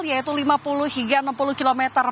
yaitu lima puluh hingga enam puluh km